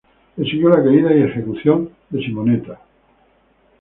Le siguió la caída y ejecución de Simonetta.